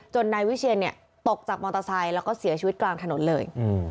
นายวิเชียนตกจากมอเตอร์ไซค์แล้วก็เสียชีวิตกลางถนนเลย